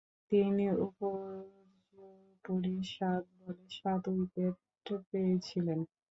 তিনি উপর্যুপরি সাত বলে সাত উইকেট পেয়েছিলেন।